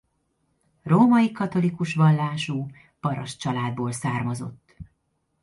Római katolikus vallású parasztcsaládból származott.